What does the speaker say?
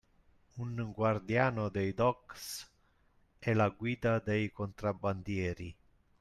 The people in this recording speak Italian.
Un guardiano dei docks è la guida dei contrabbandieri;